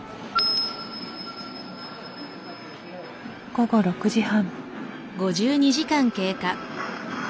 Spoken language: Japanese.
午後６時半。